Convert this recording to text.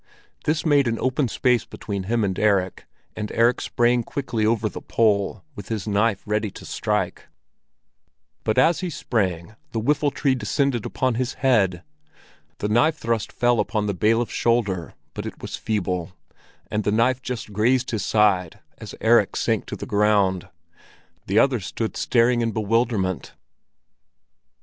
This made an open space between him and Erik, and Erik sprang quickly over the pole, with his knife ready to strike; but as he sprang, the whiffletree descended upon his head. The knife thrust fell upon the bailiff's shoulder, but it was feeble, and the knife just grazed his side as Erik sank to the ground. The others stood staring in bewilderment.